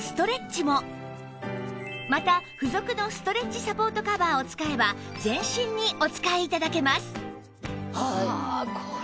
また付属のストレッチサポートカバーを使えば全身にお使い頂けます